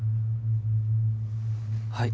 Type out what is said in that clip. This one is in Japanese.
はい。